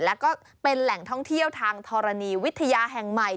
แล้วก็เป็นแหล่งท่องเที่ยวทางธรณีวิทยาแห่งใหม่